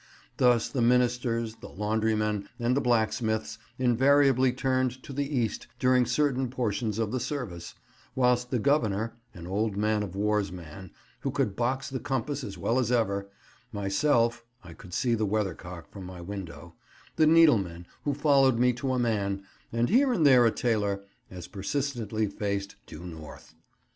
Thus, the ministers, the laundrymen, and the blacksmiths invariably turned to the east during certain portions of the service, whilst the Governor (an old man of war's man, who could box the compass as well as ever), myself (I could see the weathercock from my window), the needle men, who followed me to a man, and here and there a tailor, as persistently faced due north.